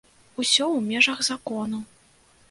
Усё ў межах закону.